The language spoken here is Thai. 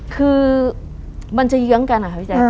คือมันจะเยื้องกันนะคะพี่แจ๊ค